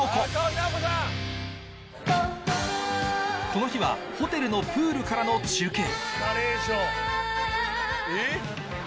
この日はホテルのプールからの中継